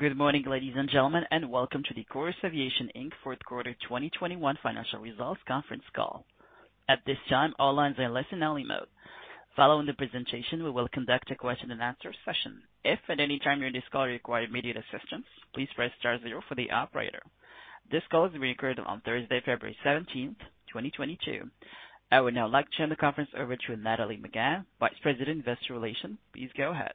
Good morning, ladies and gentlemen, and welcome to the Chorus Aviation Inc fourth quarter 2021 financial results conference call. At this time, all lines are in listen-only mode. Following the presentation, we will conduct a question-and-answer session. If at any time during this call you require immediate assistance, please press star zero for the operator. This call is being recorded on Thursday, February 17th, 2022. I would now like to turn the conference over to Nathalie Megann, Vice President, Investor Relations. Please go ahead.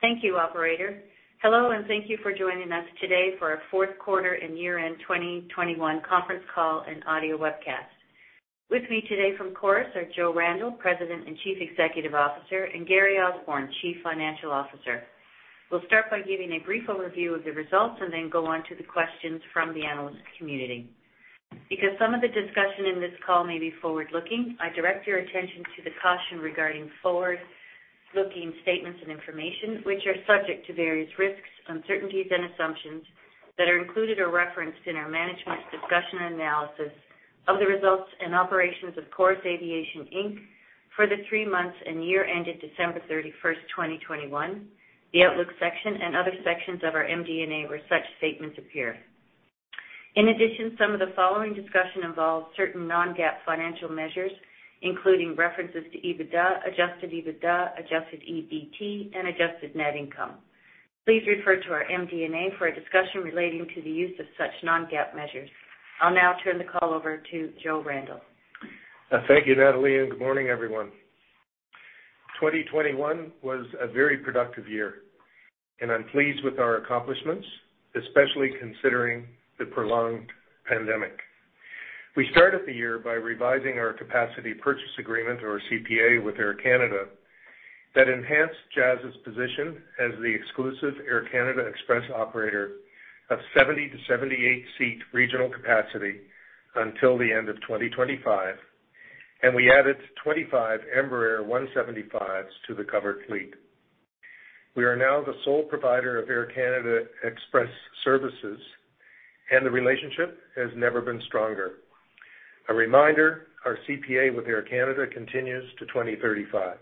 Thank you, operator. Hello, and thank you for joining us today for our fourth quarter and year-end 2021 conference call and audio webcast. With me today from Chorus are Joe Randell, President and Chief Executive Officer, and Gary Osborne, Chief Financial Officer. We'll start by giving a brief overview of the results and then go on to the questions from the analyst community. Because some of the discussion in this call may be forward-looking, I direct your attention to the caution regarding forward-looking statements and information which are subject to various risks, uncertainties, and assumptions that are included or referenced in our management's discussion and analysis of the results and operations of Chorus Aviation Inc. for the three months and year ended December 31, 2021, the outlook section and other sections of our MD&A where such statements appear. In addition, some of the following discussion involves certain non-GAAP financial measures, including references to EBITDA, adjusted EBITDA, adjusted EBT, and adjusted net income. Please refer to our MD&A for a discussion relating to the use of such non-GAAP measures. I'll now turn the call over to Joe Randell. Thank you, Nathalie Megann, and good morning, everyone. 2021 was a very productive year, and I'm pleased with our accomplishments, especially considering the prolonged pandemic. We started the year by revising our capacity purchase agreement, or CPA, with Air Canada that enhanced Jazz's position as the exclusive Air Canada Express operator of 70-78-seat regional capacity until the end of 2025, and we added 25 Embraer 175s to the covered fleet. We are now the sole provider of Air Canada Express services, and the relationship has never been stronger. A reminder, our CPA with Air Canada continues to 2035.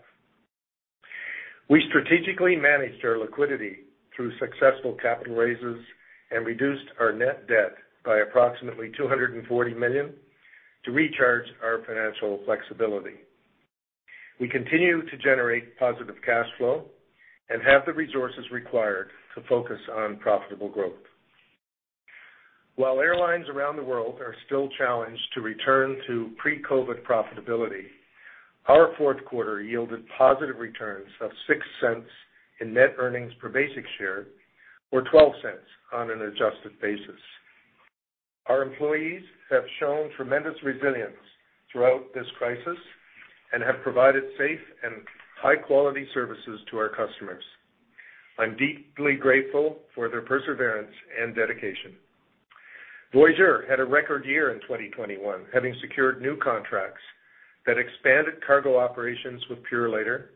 We strategically managed our liquidity through successful capital raises and reduced our net debt by approximately 240 million to recharge our financial flexibility. We continue to generate positive cash flow and have the resources required to focus on profitable growth. While airlines around the world are still challenged to return to pre-COVID profitability, our fourth quarter yielded positive returns of 0.06 in net earnings per basic share, or 0.12 on an adjusted basis. Our employees have shown tremendous resilience throughout this crisis and have provided safe and high-quality services to our customers. I'm deeply grateful for their perseverance and dedication. Voyageur had a record year in 2021, having secured new contracts that expanded cargo operations with Purolator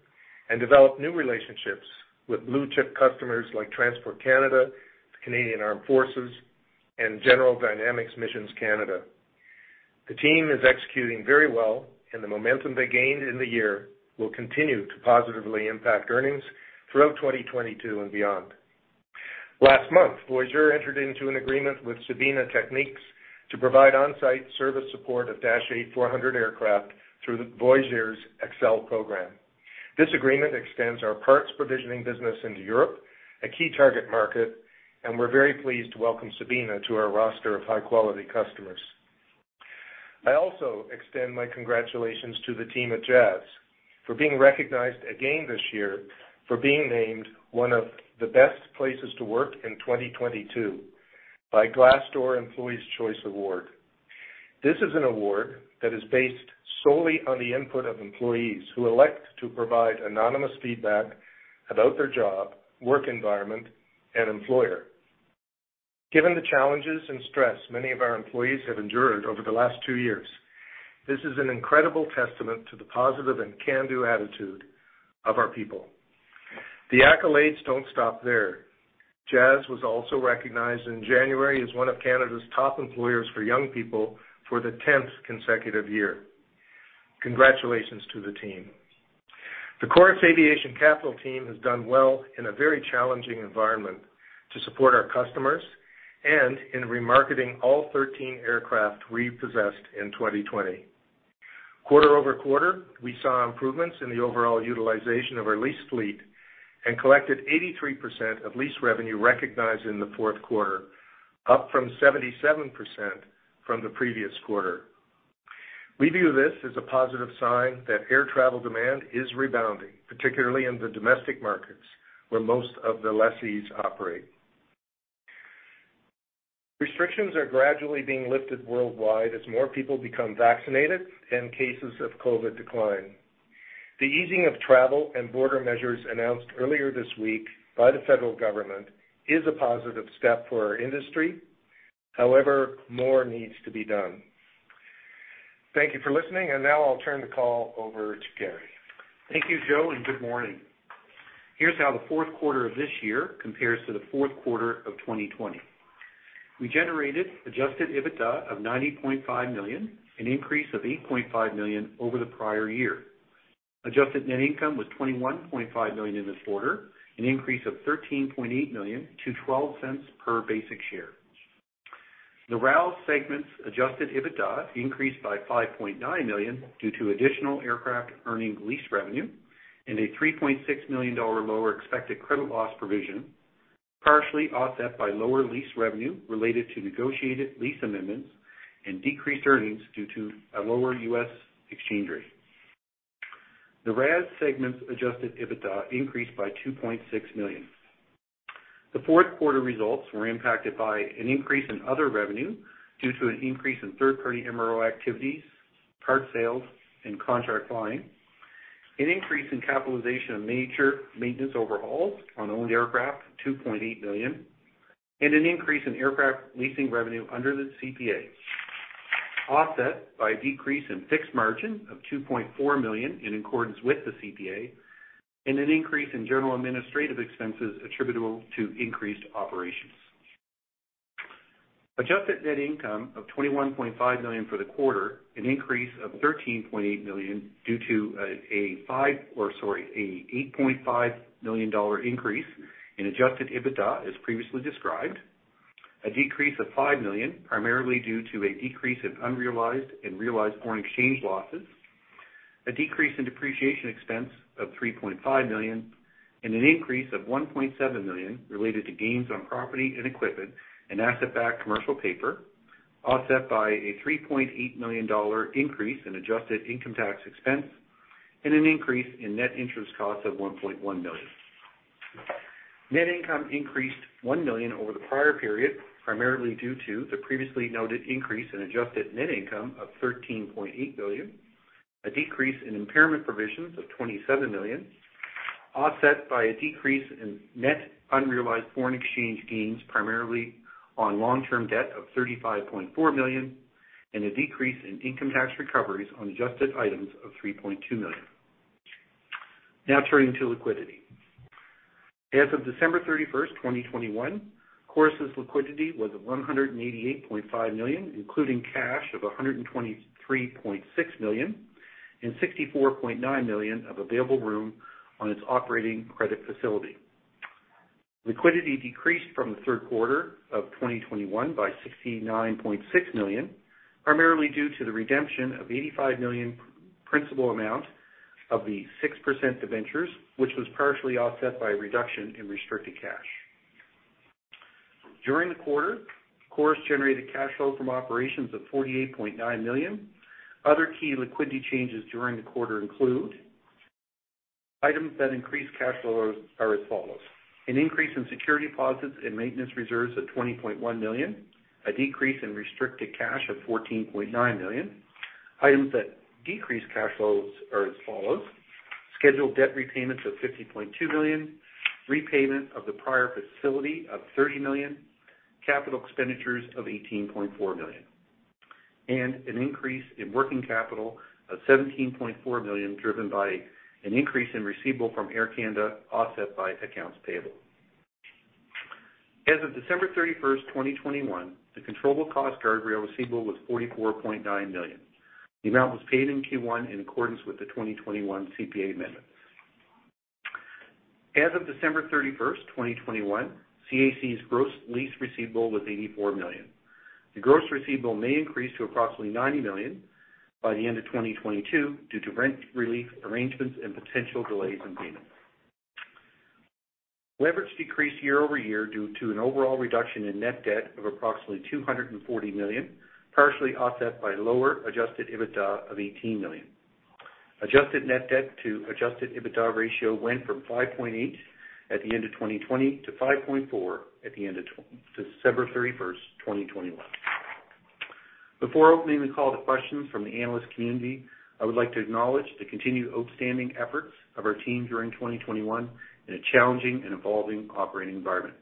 and developed new relationships with blue-chip customers like Transport Canada, the Canadian Armed Forces, and General Dynamics Mission Systems–Canada. The team is executing very well, and the momentum they gained in the year will continue to positively impact earnings throughout 2022 and beyond. Last month, Voyageur entered into an agreement with Sabena technics to provide on-site service support of Dash 8-400 aircraft through Voyageur's EXCL program. This agreement extends our parts provisioning business into Europe, a key target market, and we're very pleased to welcome Sabena to our roster of high-quality customers. I also extend my congratulations to the team at Jazz for being recognized again this year for being named one of the best places to work in 2022 by Glassdoor Employees' Choice Award. This is an award that is based solely on the input of employees who elect to provide anonymous feedback about their job, work environment, and employer. Given the challenges and stress many of our employees have endured over the last two years, this is an incredible testament to the positive and can-do attitude of our people. The accolades don't stop there. Jazz was also recognized in January as one of Canada's top employers for young people for the 10th consecutive year. Congratulations to the team. The Chorus Aviation Capital team has done well in a very challenging environment to support our customers and in remarketing all 13 aircraft repossessed in 2020. Quarter-over-quarter, we saw improvements in the overall utilization of our lease fleet and collected 83% of lease revenue recognized in the fourth quarter, up from 77% from the previous quarter. We view this as a positive sign that air travel demand is rebounding, particularly in the domestic markets where most of the lessees operate. Restrictions are gradually being lifted worldwide as more people become vaccinated and cases of COVID decline. The easing of travel and border measures announced earlier this week by the federal government is a positive step for our industry. However, more needs to be done. Thank you for listening, and now I'll turn the call over to Gary. Thank you, Joe, and good morning. Here's how the fourth quarter of this year compares to the fourth quarter of 2020. We generated adjusted EBITDA of 90.5 million, an increase of 8.5 million over the prior year. Adjusted net income was 21.5 million in this quarter, an increase of 13.8 million to 0.12 per basic share. The RAL segment's adjusted EBITDA increased by 5.9 million due to additional aircraft earning lease revenue and a 3.6 million dollar lower expected credit loss provision, partially offset by lower lease revenue related to negotiated lease amendments and decreased earnings due to a lower U.S. exchange rate. The RAS segment's adjusted EBITDA increased by 2.6 million. The fourth quarter results were impacted by an increase in other revenue due to an increase in third-party MRO activities, parts sales, and contract flying. An increase in capitalization of major maintenance overhauls on owned aircraft, 2.8 million, and an increase in aircraft leasing revenue under the CPA, offset by a decrease in fixed margin of 2.4 million in accordance with the CPA and an increase in general administrative expenses attributable to increased operations. Adjusted net income of 21.5 million for the quarter, an increase of 13.8 million due to an 8.5 million dollar increase in adjusted EBITDA, as previously described. A decrease of 5 million, primarily due to a decrease of unrealized and realized foreign exchange losses. A decrease in depreciation expense of 3.5 million, and an increase of 1.7 million related to gains on property and equipment and asset-backed commercial paper, offset by a 3.8 million dollar increase in adjusted income tax expense and an increase in net interest costs of 1.1 million. Net income increased 1 million over the prior period, primarily due to the previously noted increase in adjusted net income of 13.8 million, a decrease in impairment provisions of 27 million, offset by a decrease in net unrealized foreign exchange gains, primarily on long-term debt of 35.4 million, and a decrease in income tax recoveries on adjusted items of 3.2 million. Now turning to liquidity. As of December 31, 2021, Chorus's liquidity was 188.5 million, including cash of 123.6 million and 64.9 million of available room on its operating credit facility. Liquidity decreased from the third quarter of 2021 by 69.6 million, primarily due to the redemption of 85 million principal amount of the 6% debentures, which was partially offset by a reduction in restricted cash. During the quarter, Chorus generated cash flow from operations of 48.9 million. Other key liquidity changes during the quarter include items that increase cash flows are as follows: An increase in security deposits and maintenance reserves of 20.1 million, a decrease in restricted cash of 14.9 million. Items that decrease cash flows are as follows: Scheduled debt repayments of 50.2 million, repayment of the prior facility of 30 million, capital expenditures of 18.4 million, and an increase in working capital of 17.4 million, driven by an increase in receivable from Air Canada, offset by accounts payable. As of December 31, 2021, the controllable cost guardrail receivable was 44.9 million. The amount was paid in Q1 in accordance with the 2021 CPA amendment. As of December 31, 2021, CAC's gross lease receivable was CAD 84 million. The gross receivable may increase to approximately CAD 90 million by the end of 2022 due to rent relief arrangements and potential delays in payment. Leverage decreased year over year due to an overall reduction in net debt of approximately 240 million, partially offset by lower adjusted EBITDA of 18 million. Adjusted net debt to adjusted EBITDA ratio went from 5.8 at the end of 2020 to 5.4 at the end of December 31, 2021. Before opening the call to questions from the analyst community, I would like to acknowledge the continued outstanding efforts of our team during 2021 in a challenging and evolving operating environment.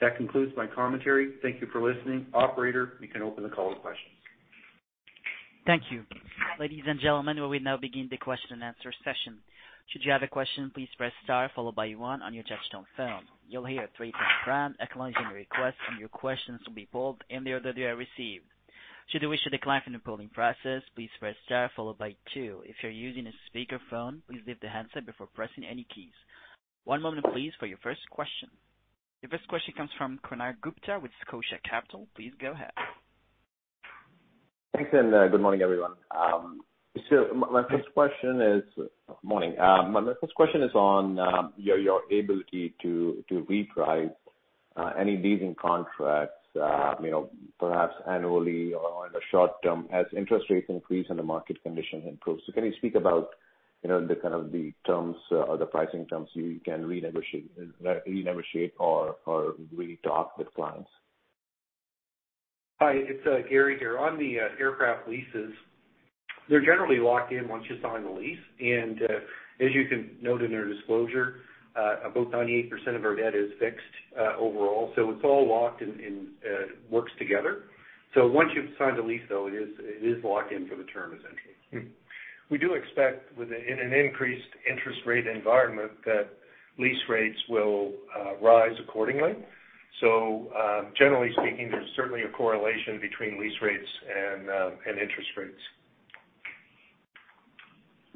That concludes my commentary. Thank you for listening. Operator, you can open the call to questions. Thank you. Ladies and gentlemen, we will now begin the question and answer session. Should you have a question, please press star followed by one on your touch tone phone. You'll hear a three-tone round acknowledging your request, and your questions will be pulled in the order they are received. Should you wish to decline from the polling process, please press star followed by two. If you're using a speakerphone, please lift the handset before pressing any keys. One moment, please, for your first question. Your first question comes from Konark Gupta with Scotia Capital. Please go ahead. Thanks, good morning, everyone. My first question is on your ability to rewrite any leasing contracts, you know, perhaps annually or in the short term as interest rates increase and the market conditions improve. Can you speak about the kind of the terms or the pricing terms you can renegotiate or re-talk with clients? Hi, it's Gary here. On the aircraft leases, they're generally locked in once you sign the lease. As you can note in our disclosure, about 98% of our debt is fixed overall. It's all locked and works together. Once you've signed a lease though, it is locked in for the term essentially. We do expect in an increased interest rate environment that lease rates will rise accordingly. Generally speaking, there's certainly a correlation between lease rates and interest rates.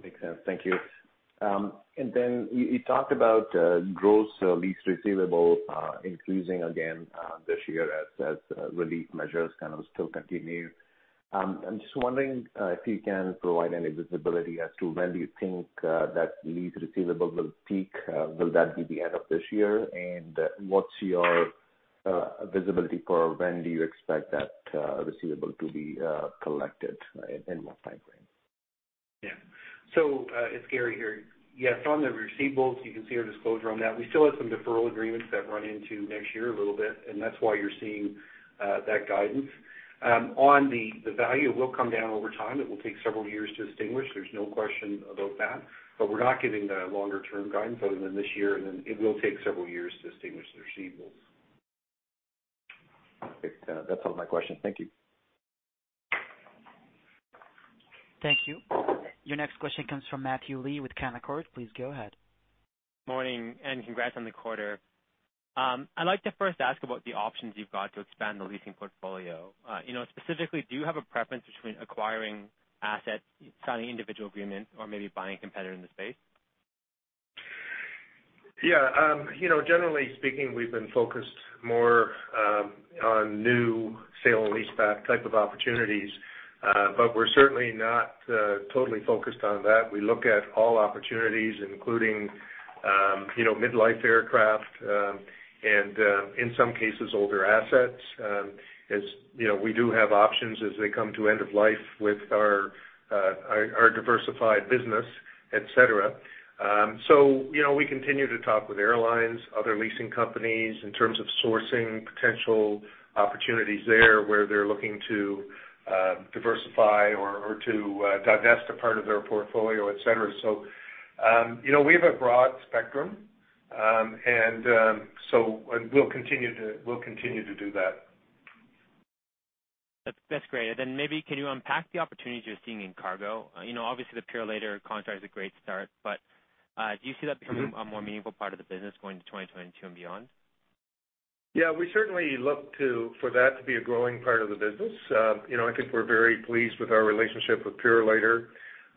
Makes sense. Thank you. You talked about gross lease receivables increasing again this year as relief measures kind of still continue. I'm just wondering if you can provide any visibility as to when do you think that lease receivable will peak. Will that be the end of this year? What's your visibility for when do you expect that receivable to be collected, in what time frame? Yeah. It's Gary here. Yes, on the receivables, you can see our disclosure on that. We still have some deferral agreements that run into next year a little bit, and that's why you're seeing that guidance. The value, it will come down over time. It will take several years to extinguish. There's no question about that, but we're not giving the longer-term guidance other than this year, and then it will take several years to extinguish the receivables. Okay. That's all my questions. Thank you. Thank you. Your next question comes from Matthew Lee with Canaccord. Please go ahead. Morning, and congrats on the quarter. I'd like to first ask about the options you've got to expand the leasing portfolio. You know, specifically, do you have a preference between acquiring assets, signing individual agreements, or maybe buying a competitor in the space? Yeah. You know, generally speaking, we've been focused more on new sale and leaseback type of opportunities, but we're certainly not totally focused on that. We look at all opportunities, including, you know, mid-life aircraft, and, in some cases, older assets. As you know, we do have options as they come to end of life with our diversified business, et cetera. You know, we continue to talk with airlines, other leasing companies in terms of sourcing potential opportunities there where they're looking to diversify or to divest a part of their portfolio, et cetera. You know, we have a broad spectrum, and we'll continue to do that. That's great. Maybe can you unpack the opportunities you're seeing in cargo? You know, obviously, the Purolator contract is a great start. But do you see that becoming a more meaningful part of the business going to 2022 and beyond? Yeah. We certainly look for that to be a growing part of the business. You know, I think we're very pleased with our relationship with Purolator.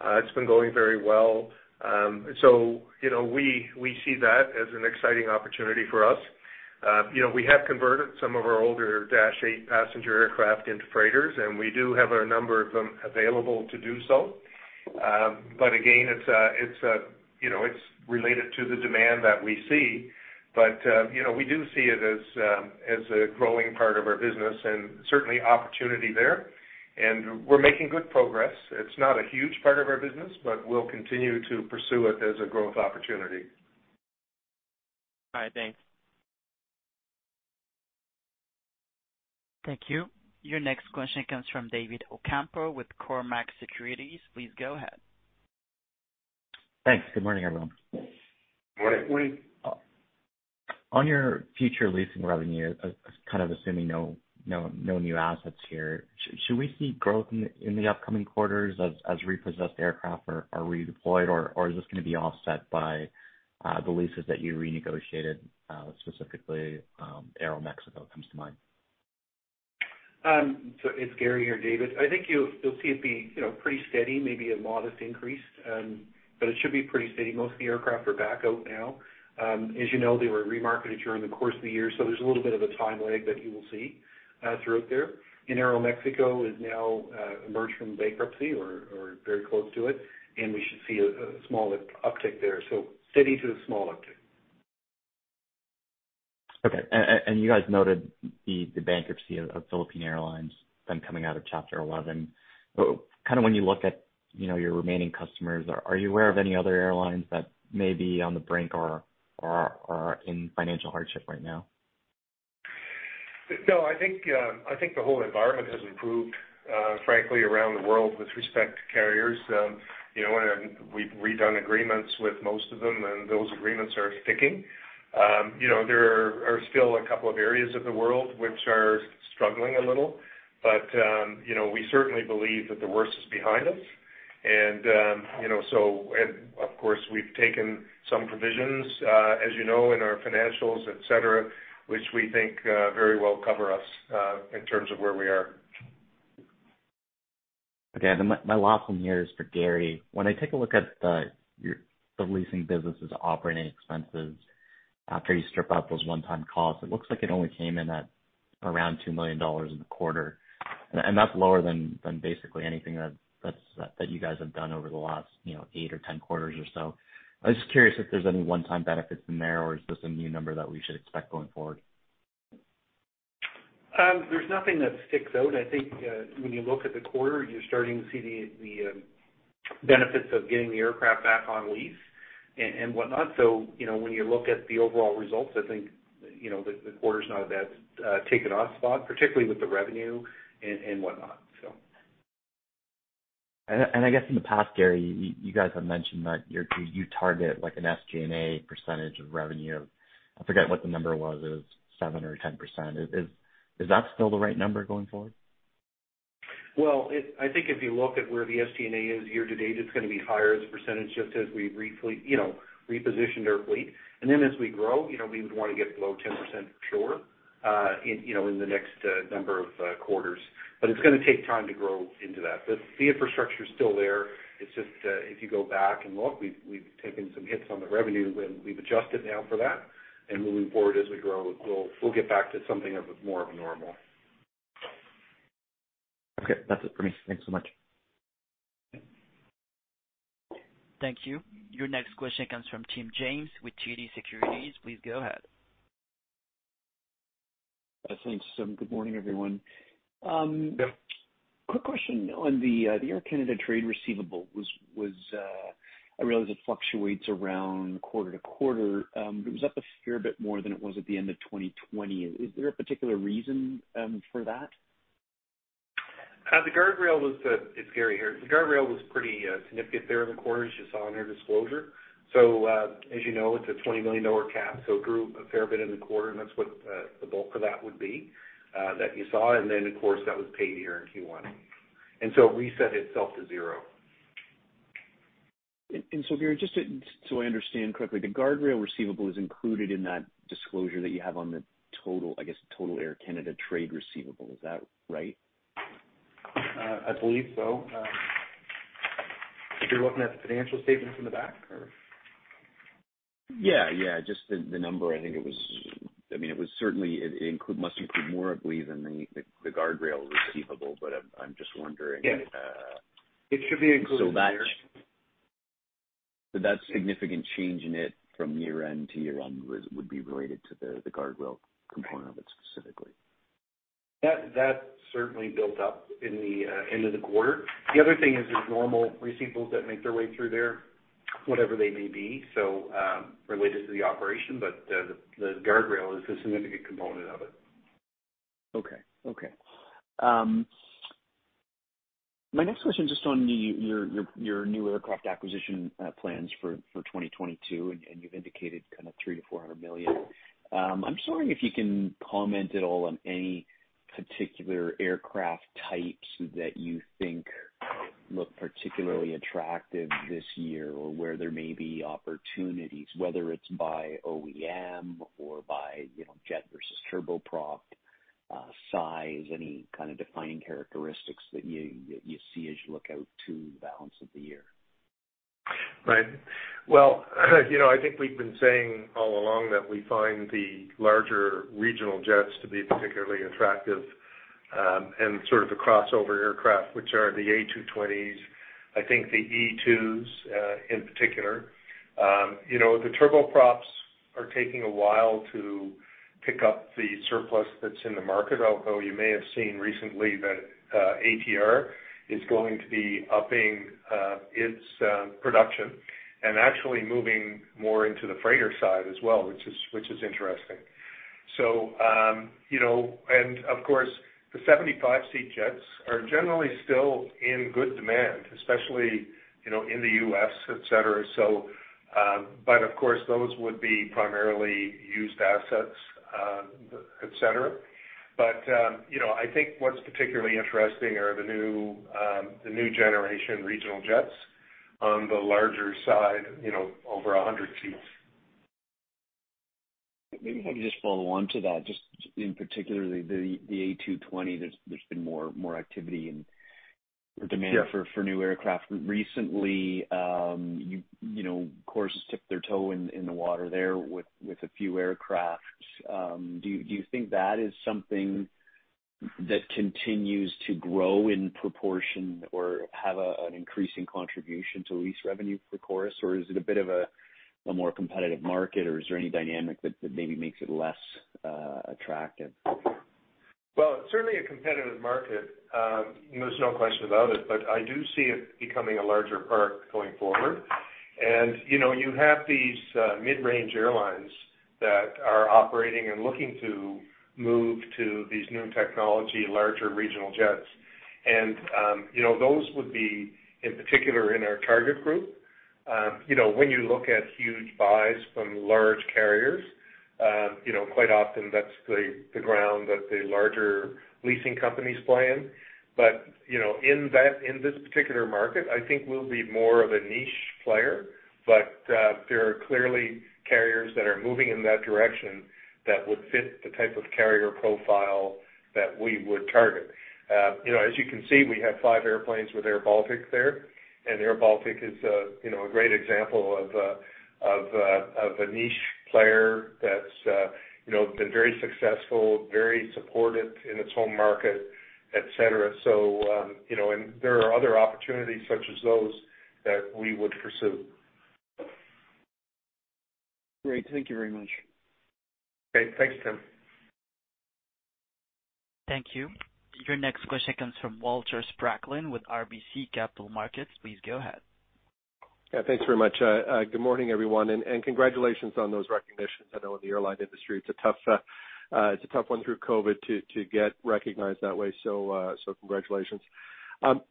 It's been going very well. You know, we see that as an exciting opportunity for us. You know, we have converted some of our older Dash 8 passenger aircraft into freighters, and we do have a number of them available to do so. Again, it's related to the demand that we see. You know, we do see it as a growing part of our business and certainly opportunity there. We're making good progress. It's not a huge part of our business, but we'll continue to pursue it as a growth opportunity. All right. Thanks. Thank you. Your next question comes from David Ocampo with Cormark Securities. Please go ahead. Thanks. Good morning, everyone. Morning. On your future leasing revenue, kind of assuming no new assets here, should we see growth in the upcoming quarters as repossessed aircraft are redeployed, or is this gonna be offset by the leases that you renegotiated, specifically, Aeromexico comes to mind? It's Gary here, David. I think you'll see it be, you know, pretty steady, maybe a modest increase. It should be pretty steady. Most of the aircraft are back out now. As you know, they were remarketed during the course of the year, so there's a little bit of a time lag that you will see throughout there. Aeromexico is now emerged from bankruptcy or very close to it, and we should see a small uptick there. Steady to a small uptick. Okay. You guys noted the bankruptcy of Philippine Airlines then coming out of Chapter 11. Kind of when you look at, you know, your remaining customers, are you aware of any other airlines that may be on the brink or in financial hardship right now? No. I think the whole environment has improved, frankly, around the world with respect to carriers. You know, we've redone agreements with most of them, and those agreements are sticking. You know, there are still a couple of areas of the world which are struggling a little, but you know, we certainly believe that the worst is behind us. Of course, we've taken some provisions, as you know, in our financials, et cetera, which we think very well cover us in terms of where we are. Okay. My last one here is for Gary. When I take a look at your leasing business's operating expenses after you strip out those one-time costs, it looks like it only came in at around 2 million dollars in the quarter. That's lower than basically anything that you guys have done over the last, you know, eight or 10 quarters or so. I was just curious if there's any one-time benefits in there, or is this a new number that we should expect going forward? There's nothing that sticks out. I think, when you look at the quarter, you're starting to see the benefits of getting the aircraft back on lease and whatnot. You know, when you look at the overall results, I think, you know, the quarter's not a bad ticking off spot, particularly with the revenue and whatnot, so. I guess in the past, Gary, you guys have mentioned that you target like an SG&A percentage of revenue. I forget what the number was. It was 7% or 10%. Is that still the right number going forward? I think if you look at where the SG&A is year-to-date, it's gonna be higher as a percentage just as we refleet, you know, repositioned our fleet. Then as we grow, you know, we would wanna get below 10%, sure, in the next number of quarters. It's gonna take time to grow into that. The infrastructure's still there. It's just if you go back and look, we've taken some hits on the revenue and we've adjusted now for that. Moving forward as we grow, we'll get back to something more normal. Okay. That's it for me. Thanks so much. Thank you. Your next question comes from Tim James with TD Securities. Please go ahead. Thanks. Good morning, everyone. Yep. Quick question on the Air Canada trade receivable. I realize it fluctuates around quarter to quarter. It was up a fair bit more than it was at the end of 2020. Is there a particular reason for that? It's Gary here. The guardrail was pretty significant there in the quarter, as you saw in our disclosure. As you know, it's a 20 million dollar cap, so it grew a fair bit in the quarter, and that's what the bulk of that would be, that you saw. Then, of course, that was paid here in Q1. It reset itself to zero. Gary, so I understand correctly, the guardrail receivable is included in that disclosure that you have on the total, I guess, total Air Canada trade receivable. Is that right? I believe so. If you're looking at the financial statements in the back or. Yeah, just the number. I think it was, I mean, must include more, I believe, than the guardrail receivable. I'm just wondering. Yes. It should be included there. That significant change in it from year-end to year-end would be related to the guardrail component of it specifically. That certainly built up in the end of the quarter. The other thing is there's normal receivables that make their way through there, whatever they may be, so related to the operation. The guardrail is a significant component of it. My next question, just on the your new aircraft acquisition plans for 2022, and you've indicated kind of 300 million-400 million. I'm just wondering if you can comment at all on any particular aircraft types that you think look particularly attractive this year, or where there may be opportunities, whether it's by OEM or by, you know, jet versus turboprop, size, any kind of defining characteristics that you see as you look out to the balance of the year. Right. Well, you know, I think we've been saying all along that we find the larger regional jets to be particularly attractive, and sort of the crossover aircraft, which are the A220s, I think the E2s, in particular. You know, the turboprops are taking a while to pick up the surplus that's in the market, although you may have seen recently that ATR is going to be upping its production and actually moving more into the freighter side as well, which is interesting. You know, and of course, the 75-seat jets are generally still in good demand, especially, you know, in the U.S., et cetera. But of course, those would be primarily used assets, et cetera. You know, I think what's particularly interesting are the new generation regional jets on the larger side, you know, over 100 seats. Maybe if I could just follow on to that, just particularly the A220, there's been more activity and demand. Yeah. For new aircraft recently. You know, of course, dip their toe in the water there with a few aircraft. Do you think that is something that continues to grow in proportion or have an increasing contribution to lease revenue for Chorus? Or is it a bit of a more competitive market, or is there any dynamic that maybe makes it less attractive? Well, it's certainly a competitive market. You know, there's no question about it, but I do see it becoming a larger part going forward. You know, you have these mid-range airlines that are operating and looking to move to these new technology, larger regional jets. You know, those would be, in particular, in our target group. You know, when you look at huge buys from large carriers, you know, quite often that's the ground that the larger leasing companies play in. You know, in that, in this particular market, I think we'll be more of a niche player. There are clearly carriers that are moving in that direction that would fit the type of carrier profile that we would target. You know, as you can see, we have five airplanes with airBaltic there, and airBaltic is, you know, a great example of a niche player that's, you know, been very successful, very supported in its home market, et cetera. You know, and there are other opportunities such as those that we would pursue. Great. Thank you very much. Okay. Thanks, Tim. Thank you. Your next question comes from Walter Spracklin with RBC Capital Markets. Please go ahead. Yeah, thanks very much. Good morning, everyone, and congratulations on those recognitions. I know in the airline industry, it's a tough one through COVID to get recognized that way, so congratulations. Moving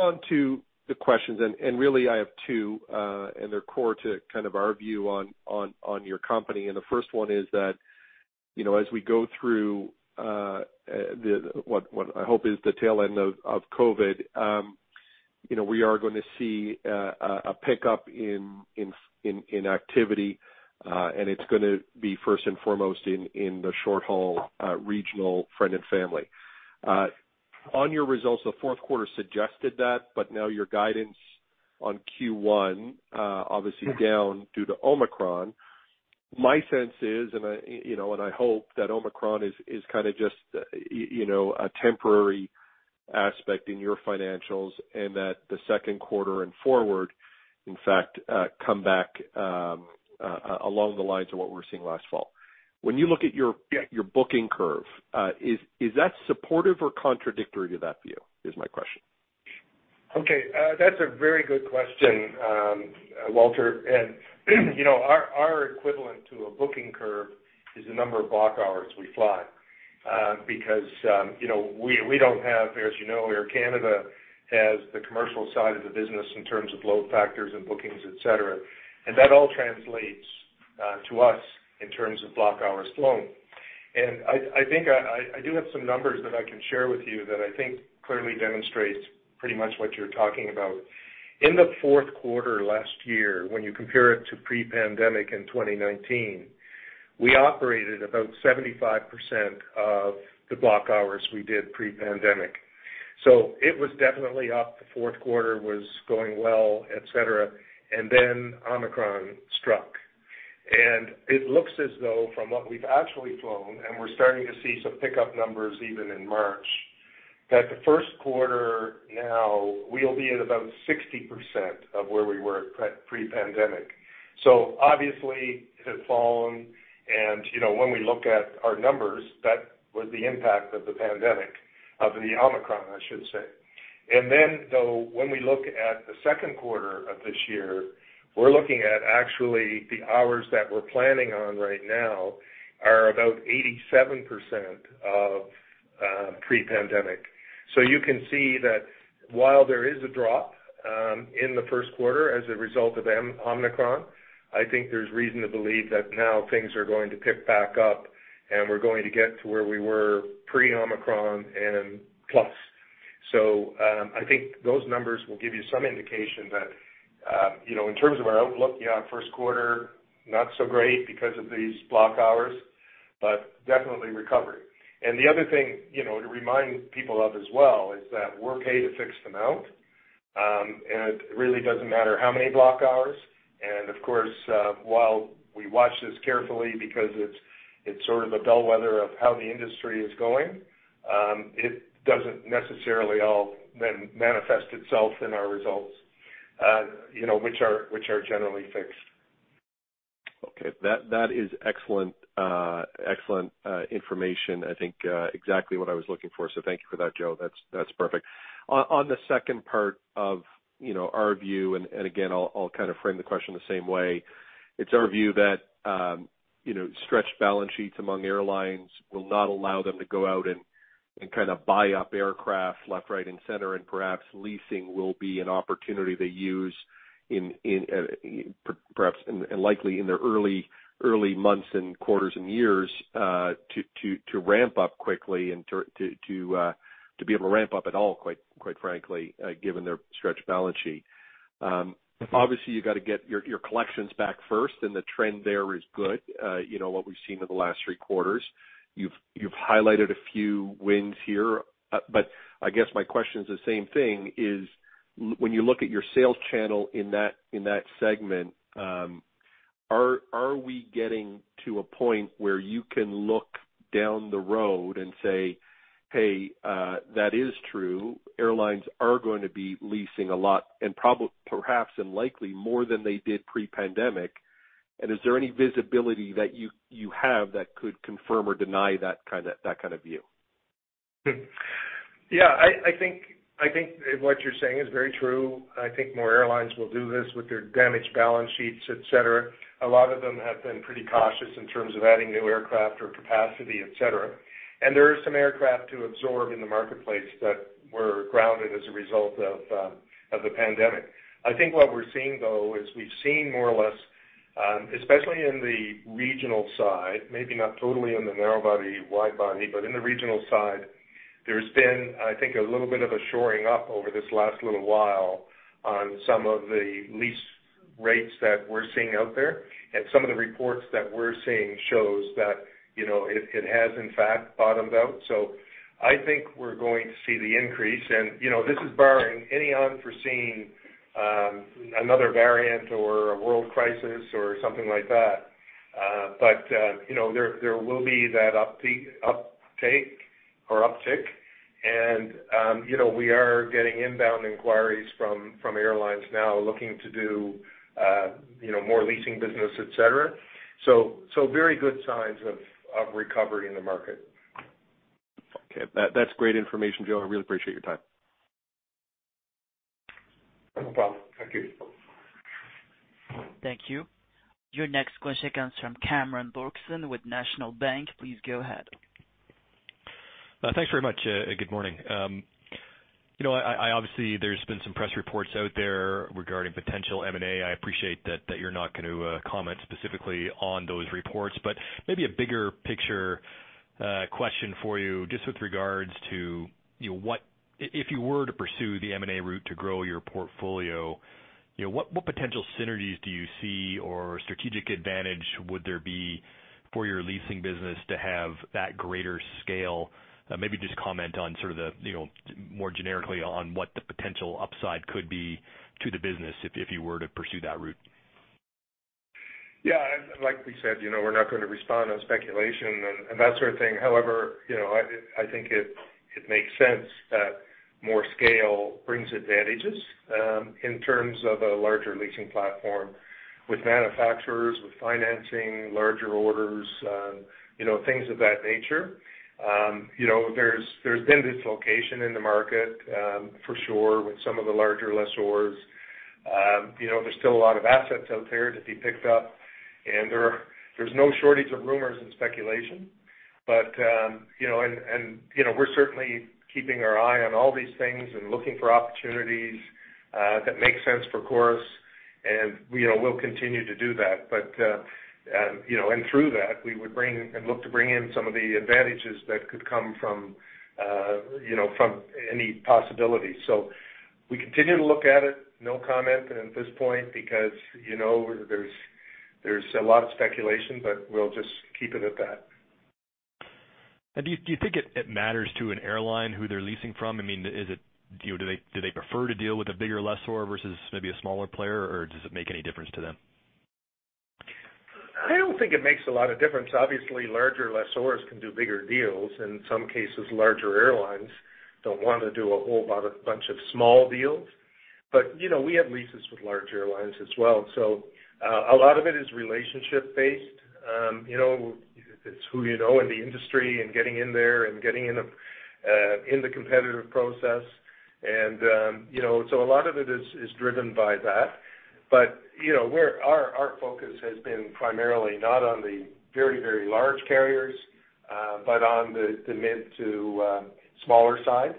on to the questions, and really I have two, and they're core to kind of our view on your company. The first one is that, you know, as we go through what I hope is the tail end of COVID, you know, we are gonna see a pickup in activity, and it's gonna be first and foremost in the short haul regional friends and family. On your results, the fourth quarter suggested that, but now your guidance on Q1 obviously down due to Omicron. My sense is, you know, I hope that Omicron is kinda just, you know, a temporary aspect in your financials and that the second quarter and forward, in fact, come back along the lines of what we were seeing last fall. When you look at your booking curve, is that supportive or contradictory to that view, is my question. Okay, that's a very good question, Walter. You know, our equivalent to a booking curve is the number of block hours we fly, because, you know, we don't have, as you know, Air Canada has the commercial side of the business in terms of load factors and bookings, et cetera. That all translates to us in terms of block hours flown. I do have some numbers that I can share with you that I think clearly demonstrates pretty much what you're talking about. In the fourth quarter last year, when you compare it to pre-pandemic in 2019, we operated about 75% of the block hours we did pre-pandemic. It was definitely up. The fourth quarter was going well, et cetera. Then Omicron struck. It looks as though from what we've actually flown, and we're starting to see some pickup numbers even in March, that the first quarter now we'll be at about 60% of where we were pre-pandemic. So obviously it has fallen and, you know, when we look at our numbers, that was the impact of the pandemic, of the Omicron, I should say. Then, though, when we look at the second quarter of this year, we're looking at actually the hours that we're planning on right now are about 87% of pre-pandemic. So you can see that while there is a drop in the first quarter as a result of Omicron, I think there's reason to believe that now things are going to pick back up, and we're going to get to where we were pre-Omicron and plus. I think those numbers will give you some indication that, you know, in terms of our outlook, yeah, first quarter, not so great because of these block hours, but definitely recovering. The other thing, you know, to remind people of as well is that we're paid a fixed amount, and it really doesn't matter how many block hours. Of course, while we watch this carefully because it's sort of a bellwether of how the industry is going, it doesn't necessarily manifest itself in our results, you know, which are generally fixed. Okay. That is excellent information. I think exactly what I was looking for, so thank you for that, Joe. That's perfect. On the second part of our view, and again, I'll kind of frame the question the same way. It's our view that you know, stretched balance sheets among airlines will not allow them to go out and kind of buy up aircraft left, right, and center, and perhaps leasing will be an opportunity they use in perhaps and likely in their early months and quarters and years to ramp up quickly and to be able to ramp up at all, quite frankly, given their stretched balance sheet. Obviously you gotta get your collections back first, and the trend there is good, you know, what we've seen in the last three quarters. You've highlighted a few wins here. I guess my question is the same thing, is when you look at your sales channel in that segment, are we getting to a point where you can look down the road and say, "Hey, that is true. Airlines are going to be leasing a lot and perhaps and likely more than they did pre-pandemic." And is there any visibility that you have that could confirm or deny that kind of view? Yeah. I think what you're saying is very true. I think more airlines will do this with their damaged balance sheets, et cetera. A lot of them have been pretty cautious in terms of adding new aircraft or capacity, et cetera. There are some aircraft to absorb in the marketplace that were grounded as a result of the pandemic. I think what we're seeing though is we've seen more or less especially in the regional side, maybe not totally in the narrow body, wide body, but in the regional side, there's been I think a little bit of a shoring up over this last little while on some of the lease rates that we're seeing out there. Some of the reports that we're seeing shows that you know it has in fact bottomed out. I think we're going to see the increase. You know, this is barring any unforeseen, another variant or a world crisis or something like that. You know, there will be that uptake or uptick. You know, we are getting inbound inquiries from airlines now looking to do, you know, more leasing business, et cetera. So very good signs of recovery in the market. Okay. That's great information, Joe. I really appreciate your time. No problem. Thank you. Thank you. Your next question comes from Cameron Doerksen with National Bank. Please go ahead. Thanks very much. Good morning. You know, I obviously there's been some press reports out there regarding potential M&A. I appreciate that you're not going to comment specifically on those reports. Maybe a bigger picture question for you, just with regards to, you know, what if you were to pursue the M&A route to grow your portfolio, you know, what potential synergies do you see or strategic advantage would there be for your leasing business to have that greater scale? Maybe just comment on sort of the, you know, more generically on what the potential upside could be to the business if you were to pursue that route. Yeah. Like we said, you know, we're not going to respond on speculation and that sort of thing. However, you know, I think it makes sense that more scale brings advantages in terms of a larger leasing platform with manufacturers, with financing, larger orders, you know, things of that nature. You know, there's been dislocation in the market for sure, with some of the larger lessors. You know, there's still a lot of assets out there to be picked up, and there's no shortage of rumors and speculation. You know, we're certainly keeping our eye on all these things and looking for opportunities that make sense for Chorus. You know, we'll continue to do that. Through that, we would bring and look to bring in some of the advantages that could come from, you know, from any possibility. We continue to look at it. No comment at this point because, you know, there's a lot of speculation, but we'll just keep it at that. Do you think it matters to an airline who they're leasing from? I mean, do they prefer to deal with a bigger lessor versus maybe a smaller player, or does it make any difference to them? I don't think it makes a lot of difference. Obviously, larger lessors can do bigger deals. In some cases, larger airlines don't want to do a whole bunch of small deals. You know, we have leases with large airlines as well. A lot of it is relationship based. You know, it's who you know in the industry and getting in there and getting in the competitive process. You know, a lot of it is driven by that. You know, our focus has been primarily not on the very, very large carriers, but on the mid to smaller side.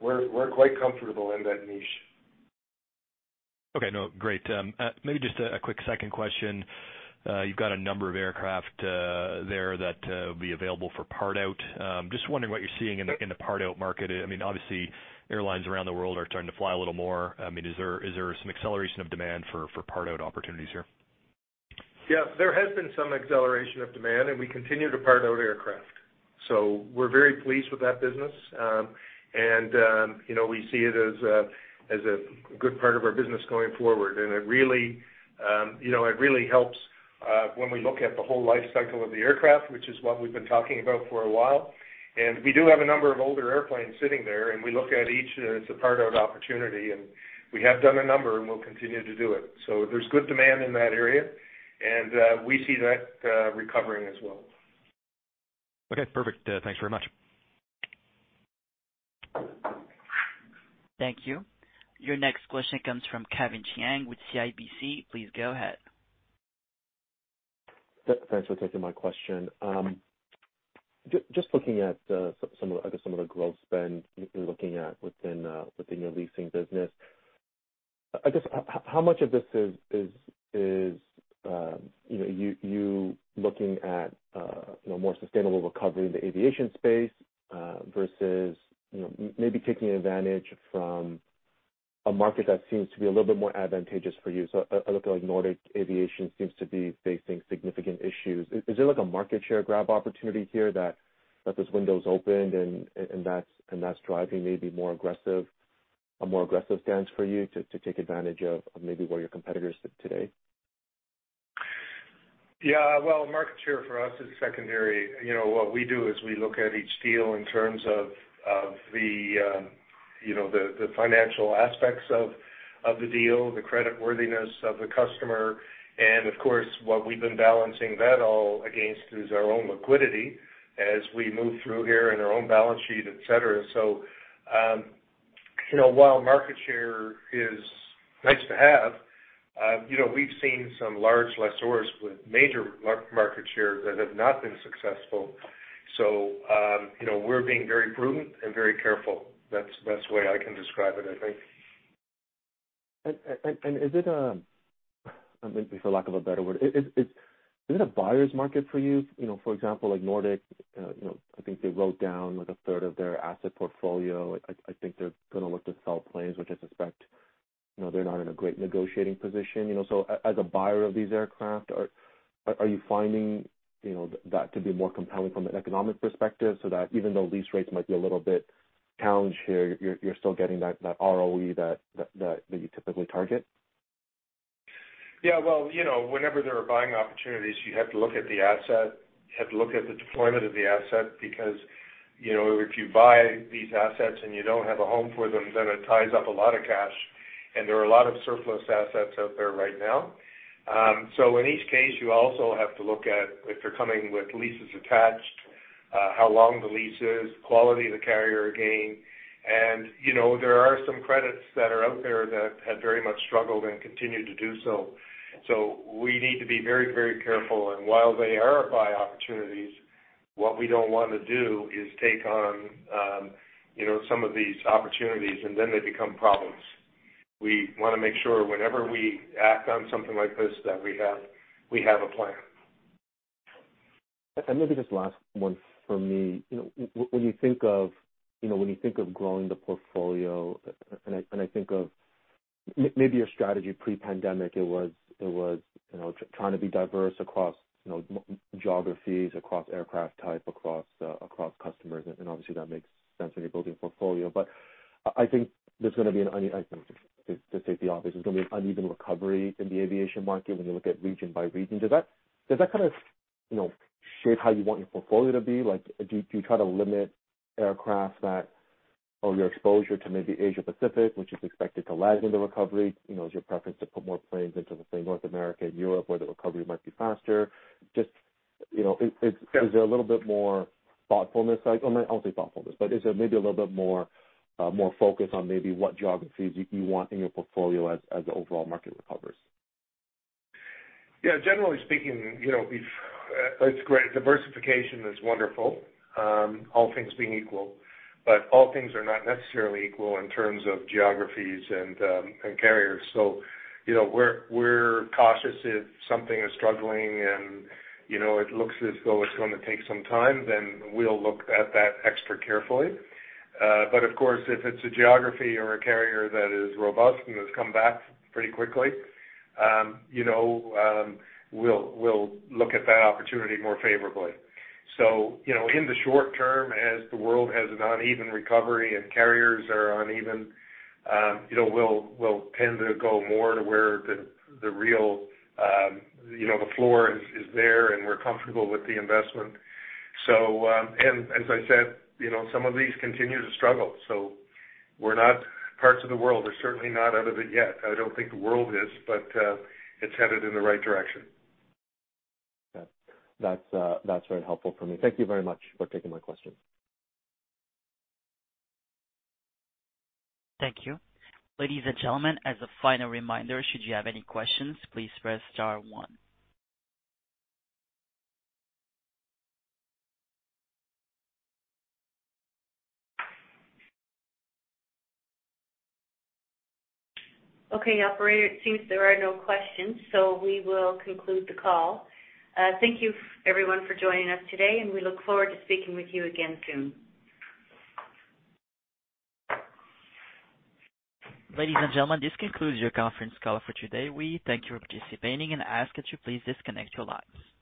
We're quite comfortable in that niche. Okay. No, great. Maybe just a quick second question. You've got a number of aircraft there that will be available for part out. Just wondering what you're seeing in the part out market. I mean, obviously airlines around the world are starting to fly a little more. I mean, is there some acceleration of demand for part out opportunities here? Yeah, there has been some acceleration of demand, and we continue to part out aircraft. We're very pleased with that business. You know, we see it as a good part of our business going forward. It really, you know, it really helps when we look at the whole life cycle of the aircraft, which is what we've been talking about for a while. We do have a number of older airplanes sitting there, and we look at each as a part out opportunity. We have done a number, and we'll continue to do it. There's good demand in that area, and we see that recovering as well. Okay. Perfect. Thanks very much. Thank you. Your next question comes from Kevin Chiang with CIBC. Please go ahead. Thanks for taking my question. Just looking at some of, I guess some of the growth spend you're looking at within your leasing business. I guess how much of this is, you know, you looking at, you know, more sustainable recovery in the aviation space, versus, you know, maybe taking advantage from a market that seems to be a little bit more advantageous for you? I look at like Nordic Aviation seems to be facing significant issues. Is there like a market share grab opportunity here that this window's opened and that's driving maybe more aggressive a more aggressive stance for you to take advantage of maybe where your competitors sit today? Yeah. Well, market share for us is secondary. You know, what we do is we look at each deal in terms of the financial aspects of the deal, the creditworthiness of the customer. Of course, what we've been balancing that all against is our own liquidity as we move through here in our own balance sheet, et cetera. You know, while market share is nice to have, you know, we've seen some large lessors with major market share that have not been successful. You know, we're being very prudent and very careful. That's the best way I can describe it, I think. Is it, maybe for lack of a better word, a buyer's market for you? You know, for example, like Nordic, you know, I think they wrote down like a third of their asset portfolio. I think they're gonna look to sell planes, which I suspect, you know, they're not in a great negotiating position. You know, so as a buyer of these aircraft, are you finding, you know, that to be more compelling from an economic perspective so that even though lease rates might be a little bit challenged here, you're still getting that ROE that you typically target? Yeah. Well, you know, whenever there are buying opportunities, you have to look at the asset. You have to look at the deployment of the asset because, you know, if you buy these assets and you don't have a home for them, then it ties up a lot of cash. There are a lot of surplus assets out there right now. So in each case, you also have to look at if they're coming with leases attached, how long the lease is, quality of the carrier again. You know, there are some credits that are out there that have very much struggled and continue to do so. We need to be very, very careful. While they are buy opportunities, what we don't wanna do is take on, you know, some of these opportunities, and then they become problems. We wanna make sure whenever we act on something like this, that we have a plan. Maybe just last one from me. You know, when you think of growing the portfolio, and I think of maybe your strategy pre-pandemic, it was you know, trying to be diverse across geographies, across aircraft type, across customers. Obviously that makes sense when you're building a portfolio. I think, to state the obvious, there's gonna be an uneven recovery in the aviation market when you look at region by region. Does that kind of shape how you want your portfolio to be? Like, do you try to limit aircraft that or your exposure to maybe Asia-Pacific, which is expected to lag in the recovery? You know, is your preference to put more planes into say, North America and Europe, where the recovery might be faster? Just, you know, is Yeah. Is there a little bit more thoughtfulness? I won't say thoughtfulness, but is there maybe a little bit more focus on maybe what geographies you want in your portfolio as the overall market recovers? Yeah. Generally speaking, you know, it's great. Diversification is wonderful, all things being equal, but all things are not necessarily equal in terms of geographies and carriers. You know, we're cautious if something is struggling and, you know, it looks as though it's gonna take some time. Then we'll look at that extra carefully. Of course, if it's a geography or a carrier that is robust and has come back pretty quickly, you know, we'll look at that opportunity more favorably. You know, in the short term, as the world has an uneven recovery and carriers are uneven, you know, we'll tend to go more to where the real, you know, the floor is there and we're comfortable with the investment. As I said, you know, some of these continue to struggle. Parts of the world are certainly not out of it yet. I don't think the world is, but it's headed in the right direction. Yeah. That's very helpful for me. Thank you very much for taking my question. Thank you. Ladies and gentlemen, as a final reminder, should you have any questions, please press star one. Okay, operator, it seems there are no questions, so we will conclude the call. Thank you everyone for joining us today, and we look forward to speaking with you again soon. Ladies and gentlemen, this concludes your conference call for today. We thank you for participating and ask that you please disconnect your lines.